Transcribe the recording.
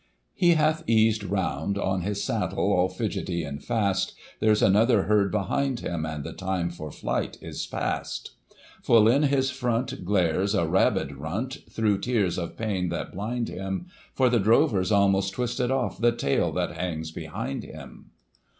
He hath eased round on his saddle, all fidgetty and fast ; There's another herd behind him, and the time for flight is past. Full in his front glares a rabid runt, thro' tears of pain that blind him. For the drover's almost twisted off the tail that hangs behind him.